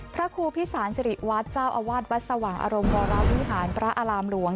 พระครูพิสารสิริวัตรเจ้าอาวาสวัดสว่างอารมณ์วรวิหารพระอารามหลวง